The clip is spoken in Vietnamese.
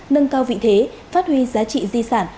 nâng cao vị thế phát huy giá trị di sản